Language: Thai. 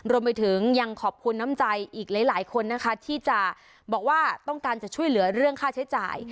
รวมไปถึงยังขอบคุณน้ำใจอีกหลายคนนะคะที่จะบอกว่าต้องการจะช่วยเหลือเรื่องค่าใช้จ่าย